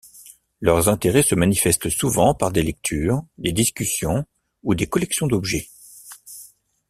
Leur intérêt se manifeste souvent par des lectures, des discussions ou des collections d'objets.